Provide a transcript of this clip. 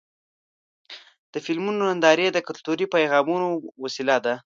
د فلمونو نندارې د کلتوري پیغامونو وسیله ده.